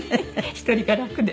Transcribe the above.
１人が楽で。